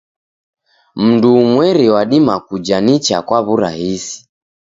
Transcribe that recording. Mndu umweri wadima kuja nicha na kwa w'urahisi.